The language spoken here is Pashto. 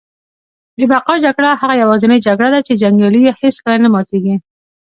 د بقا جګړه هغه یوازینۍ جګړه ده چي جنګیالي یې هیڅکله نه ماتیږي